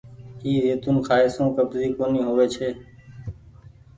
اي زيتونٚ کآئي سون ڪبزي ڪونيٚ هووي ڇي۔